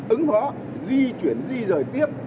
ứng hóa di chuyển di rời tiếp